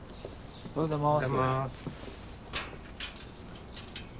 おはようございます。